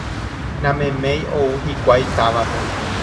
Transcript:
Nameméi ou hikuái távape